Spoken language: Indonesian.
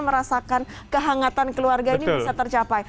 merasakan kehangatan keluarga ini bisa tercapai